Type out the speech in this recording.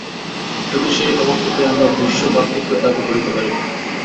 শুধু সেই অবস্থাতেই আমরা বিশ্বভ্রাতৃত্বের দাবী করিতে পারিব।